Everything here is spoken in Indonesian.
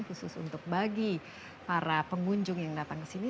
khusus untuk bagi para pengunjung yang datang ke sini